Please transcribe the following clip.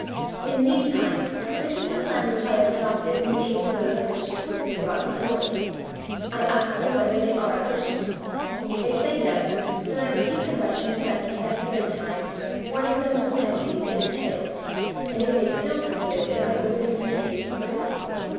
In the mean time, this is the plan which I have adopted in the case of those Christians who have been brought before me. I ask them whether they are Christians; if they say yes, then I repeat the question a second and a third time, warning them of the penalties it entails, and if they still persist, I order them to be taken to prison.